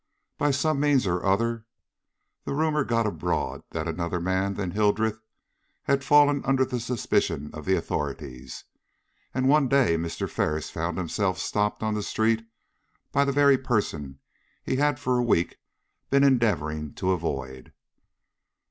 By some means or other the rumor got abroad that another man than Hildreth had fallen under the suspicion of the authorities, and one day Mr. Ferris found himself stopped on the street by the very person he had for a week been endeavoring to avoid.